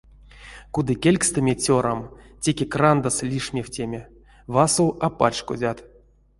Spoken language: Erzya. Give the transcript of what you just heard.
Кудыкелькстэме, цёрам, теке крандаз лишмевтеме — васов а пачкодят.